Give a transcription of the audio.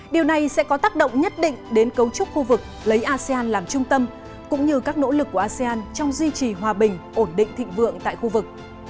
điều này sẽ có tác động nhất định đến cấu trúc khu vực lấy asean làm trung tâm cũng như các nỗ lực của asean trong duy trì hòa bình ổn định thịnh vượng tại khu vực